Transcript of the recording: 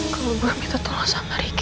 kalau gue minta tolong sama riki